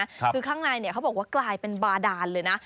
ค่ะคือข้างในเขาบอกว่ากลายเป็นบาดารเลยนะ